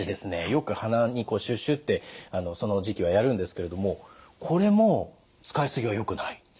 よく鼻にこうシュシュってその時期はやるんですけれどもこれも使い過ぎはよくない？